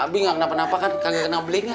abi gak kena ap anxiety kan kaget beling kan